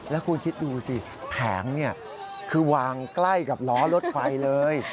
แล้วคุณคิดดูสิแผงคือวางใกล้กับล้อรถไฟเลย